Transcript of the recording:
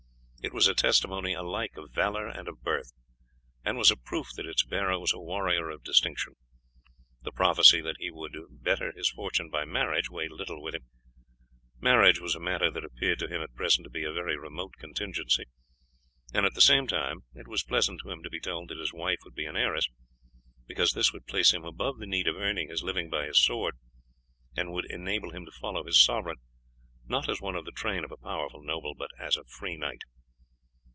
It was a testimony alike of valour and of birth, and was a proof that its bearer was a warrior of distinction. The prophecy that he would better his fortune by marriage weighed little with him; marriage was a matter that appeared to him at present to be a very remote contingency; at the same time it was pleasant to him to be told that his wife would be an heiress, because this would place him above the need of earning his living by his sword, and would enable him to follow his sovereign, not as one of the train of a powerful noble, but as a free knight.